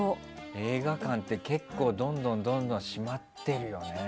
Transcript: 映画館ってどんどん閉まってるよね。